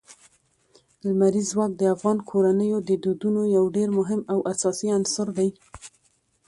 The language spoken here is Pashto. لمریز ځواک د افغان کورنیو د دودونو یو ډېر مهم او اساسي عنصر دی.